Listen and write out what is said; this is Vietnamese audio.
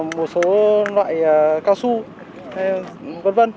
một số loại cao su hay là vân vân